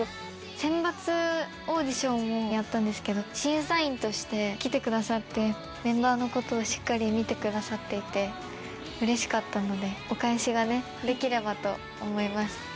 選抜オーディションをやったんですけど審査員として来てくださってメンバーのことをしっかり見てくださっていてうれしかったのでお返しができればと思います。